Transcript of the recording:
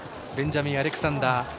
ベンジャミン・アレクサンダー。